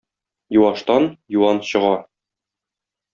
Юаштан юан чыга.